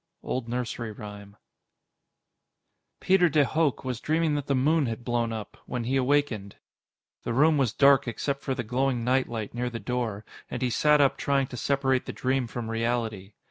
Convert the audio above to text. _ Old Nursery Rhyme Peter de Hooch was dreaming that the moon had blown up when he awakened. The room was dark except for the glowing night light near the door, and he sat up trying to separate the dream from reality.